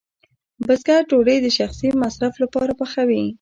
بزګر ډوډۍ د شخصي مصرف لپاره پخوي.